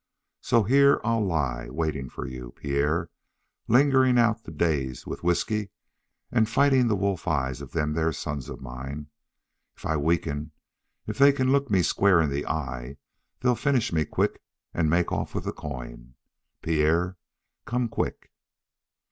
So here I'll lie, waiting for you, Pierre, and lingering out the days with whisky, and fighting the wolf eyes of them there sons of mine. If I weaken If they find they can look me square in the eye they'll finish me quick and make off with the coin. Pierre, come quick.